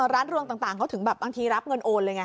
ร้านร่วงต่างเขาถึงบางทีรับเงินโอนเลยไง